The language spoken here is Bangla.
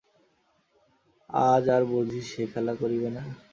আজ আর বুঝি সে খেলা করিবে না?